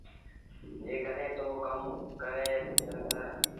جيڪڏهيݩ توݩ ڪم ڪريݩ تا ڪر۔